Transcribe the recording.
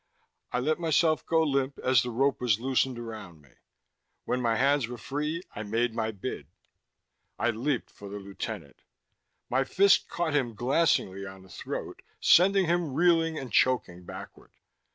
I let myself go limp as the rope was loosened around me; when my hands were free I made my bid. I leaped for the lieutenant; my fist caught him glancingly on the throat, sending him reeling and choking backward.